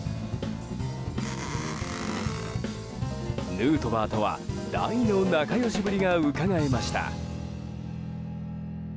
ヌートバーとは大の仲良しぶりがうかがえました。